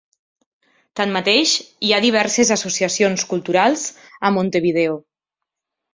Tanmateix, hi ha diverses associacions culturals a Montevideo.